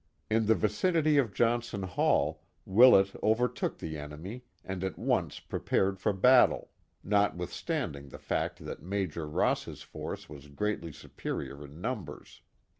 In the vicinity of Johnson Hall, Willett overtook the enemy and at once prepared for battle, notwithstanding the fact that Major Ross's force was greatly superior in nunfibers.